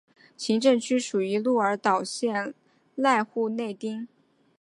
行政区属于鹿儿岛县濑户内町。